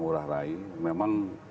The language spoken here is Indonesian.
ngurah rai memang